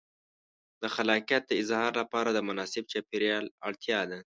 د خلاقیت د اظهار لپاره د مناسب چاپېریال اړتیا ده.